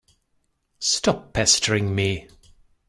Stop pestering me!